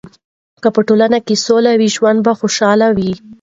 که په ټولنه کې سوله وي، ژوند به خوشحاله وي.